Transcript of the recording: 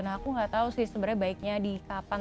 nah aku nggak tahu sih sebenarnya baiknya di kapan